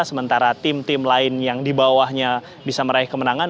sementara tim tim lain yang di bawahnya bisa meraih kemenangan